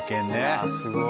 ああすごい。